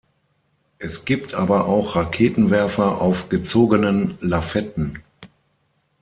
Es gibt aber auch Raketenwerfer auf gezogenen Lafetten.